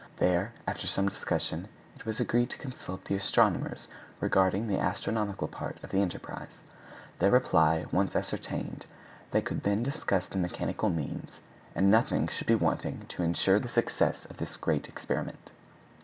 There, after some discussion, it was agreed to consult the astronomers regarding the astronomical part of the enterprise. Their reply once ascertained, they could then discuss the mechanical means, and nothing should be wanting to ensure the success of this great experiment.